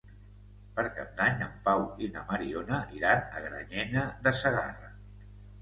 Per Cap d'Any en Pau i na Mariona iran a Granyena de Segarra.